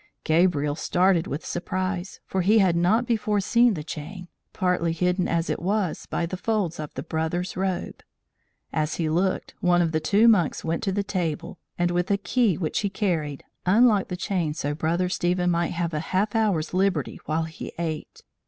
Gabriel started with surprise, for he had not before seen the chain, partly hidden as it was by the folds of the brother's robe. As he looked, one of the two monks went to the table, and, with a key which he carried, unlocked the chain so Brother Stephen might have a half hour's liberty while he ate.